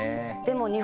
でも。